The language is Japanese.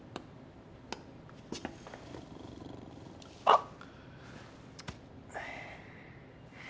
あっ。